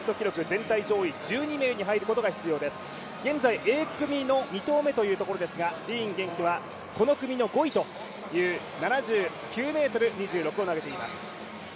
全体Ａ組の２投目ですが、ディーン元気はこの組の５位という７９ｍ２６を投げています。